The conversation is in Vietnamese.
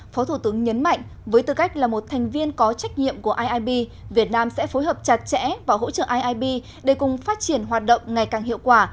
phó thủ tướng nhấn mạnh với tư cách là một thành viên có trách nhiệm của iib việt nam sẽ phối hợp chặt chẽ và hỗ trợ iib để cùng phát triển hoạt động ngày càng hiệu quả